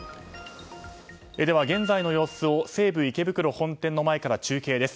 では、現在の様子を西武池袋本店の前から中継です。